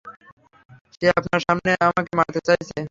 সে আপনার সামনে আমাকে মারতে চাইছে!